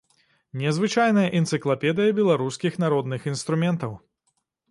Незвычайная энцыклапедыі беларускіх народных інструментаў.